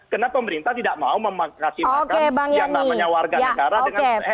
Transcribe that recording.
kenapa pemerintah tidak mau menghasilkan yang namanya warga negara dengan hewan ternak